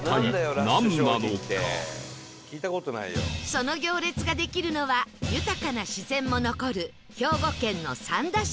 その行列ができるのは豊かな自然も残る兵庫県の三田市